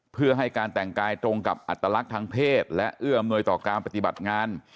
เพื่อให้การแต่งกายตรงกับอัตลักษณ์ทางเพศและเอื้ออำนวยต่อการปฏิบัติงาน